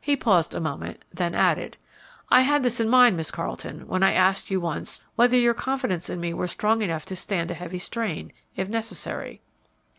He paused a moment, then added, "I had this in mind, Miss Carleton, when I asked you once whether your confidence in me were strong enough to stand a heavy strain, if necessary."